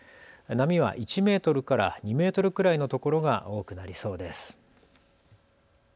波は１メートルから２メートルくらいの所が多くなりそうです。